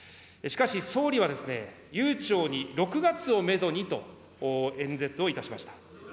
しかし、総理は悠長に６月をメドにと演説をいたしました。